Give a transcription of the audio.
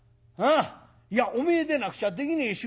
いやおめえでなくちゃできねえ仕事だ。